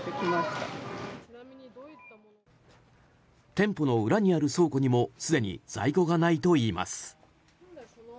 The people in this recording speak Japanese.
店舗の裏にある倉庫にもすでに在庫がないといいます。